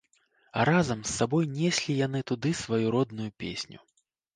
А разам з сабой неслі яны туды сваю родную песню.